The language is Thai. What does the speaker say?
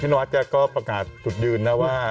พี่ละวัดจะก็ประกาศสุดยืนนะว่า